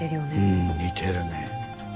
うん似てるね